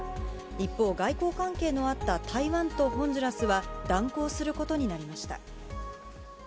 一方、外交関係のあった台湾とホンジュラスは、断交することになりました。